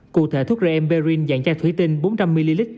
cụ thể thuốc remperin dạng chai thủy tinh bốn trăm linh ml